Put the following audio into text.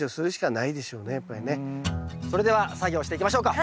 それでは作業していきましょうか！